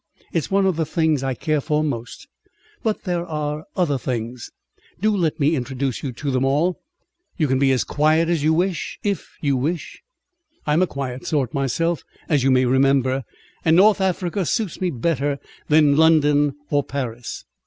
It's one of the things I care for most, but there are other things. Do let me introduce you to them all. You can be as quiet as you wish, if you wish. I'm a quiet sort myself, as you may remember, and North Africa suits me better than London or Paris.